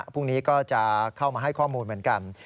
พรุ่งนี้ก็จะเข้ามาให้ข้อมูลเหมือนกัน